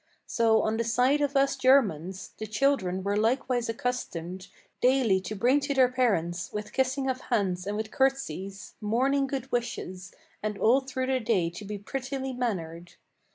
So, on the side of us Germans, the children were likewise accustomed Daily to bring to their parents, with kissing of hands and with curtseys, Morning good wishes, and all through the day to be prettily mannered.